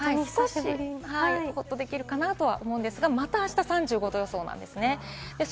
久しぶりにホッとできるかなと思うんですが、また、あした３５度予想なんですね。